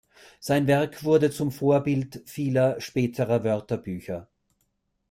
Sein Werk wurde zum Vorbild vieler späterer Wörterbücher.